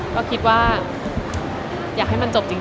ก็คิดว่าอยากให้มันจบจริง